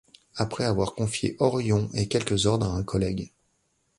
Après avoir confié Orion et quelques ordres à un collègue.